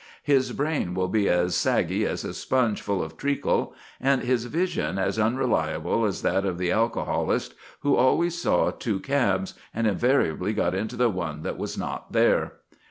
His brain will be as saggy as a sponge full of treacle, and his vision as unreliable as that of the alcoholist who always saw two cabs, and invariably got into the one that was not there.